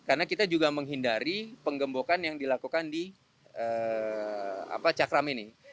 karena kita juga menghindari penggembokan yang dilakukan di cakram ini